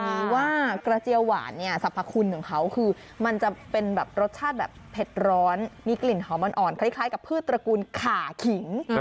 ว่ากระเจียวหวานเนี่ยสรรพคุณของเขาคือมันจะเป็นแบบรสชาติแบบเผ็ดร้อนมีกลิ่นหอมอ่อนคล้ายกับพืชตระกูลขาขิง